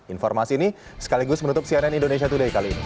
informasi ini sekaligus menutup cnn indonesia today kali ini